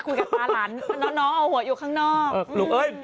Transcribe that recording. คุยกับตาหลานน้องน้องเอาหัวอยู่ข้างนอกเออลูกเอ้ย